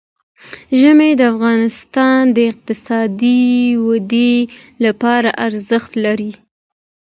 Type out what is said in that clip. ژمی د افغانستان د اقتصادي ودې لپاره ارزښت لري.